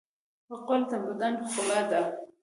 غول د بدن خوله ده.